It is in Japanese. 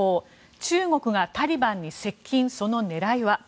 中国がタリバンに接近その狙いは。